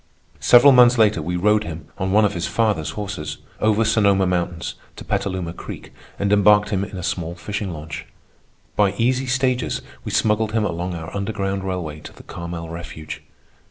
Several months later we rode him, on one of his father's horses, over Sonoma Mountains to Petaluma Creek and embarked him in a small fishing launch. By easy stages we smuggled him along our underground railway to the Carmel refuge.